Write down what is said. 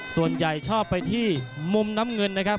ส่วนใหญ่ชอบไปที่มุมน้ำเงินนะครับ